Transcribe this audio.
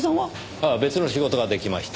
ああ別の仕事が出来まして。